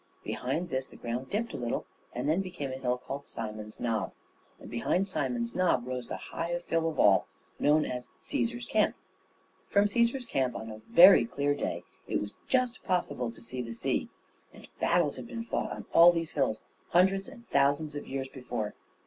Behind this the ground dipped a little, and then became a hill called Simon's Nob, and behind Simon's Nob rose the highest hill of all, known as Cæsar's Camp. From Cæsar's Camp, on a very clear day, it was just possible to see the sea; and battles had been fought on all these hills hundreds and thousands of years before.